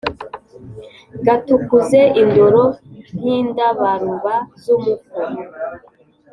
gatukuze indoro nk'indabaruba z' umuko ;